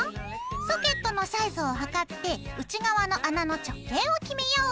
ソケットのサイズを測って内側の穴の直径を決めよう。